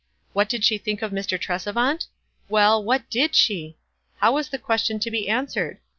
What did she think of Mr. Tresevant? Well, what did she? — how was the question to be answered